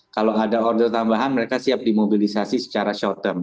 kalau ada order tambahan mereka siap dimobilisasi secara short term